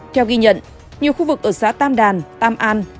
theo ghi nhận nhiều khu vực ở xã tam đàn tam an